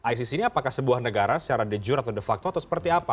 isis ini apakah sebuah negara secara de jure atau de facto atau seperti apa